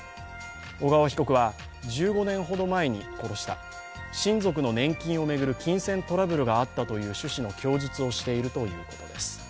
小川被告は、１５年ほど前に殺した、親族の年金を巡る金銭トラブルがあったという趣旨の供述をしているということです。